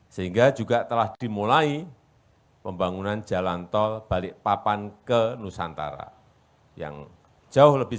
sehingga juga telah dimulai pembangunan jalan tol balikpapan ke nusantara yang jauh lebih